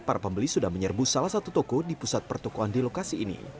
para pembeli sudah menyerbu salah satu toko di pusat pertokohan di lokasi ini